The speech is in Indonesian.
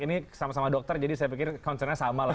ini sama sama dokter jadi saya pikir concernnya sama lah